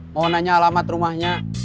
mau nanya alamat rumahnya